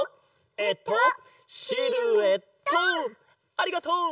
ありがとう！